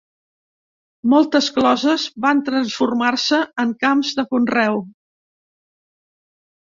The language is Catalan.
Moltes closes van transformar-se en camps de conreu.